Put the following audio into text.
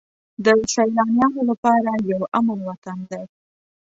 د سیلانیانو لپاره یو امن وطن دی.